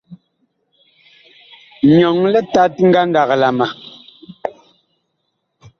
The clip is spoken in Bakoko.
Nyɔŋ litat ngandag la ma.